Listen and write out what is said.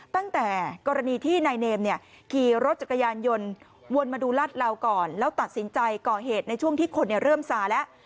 ตั้งแต่กรณีที่นายเนมเนี่ยขี่รถจักรยานยนต์วนมาดูลาดเหลาก่อนแล้วตัดสินใจก่อเหตุในช่วงที่คนเริ่มสาแล้ว